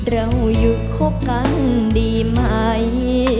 เราอยู่คบกันดีไหม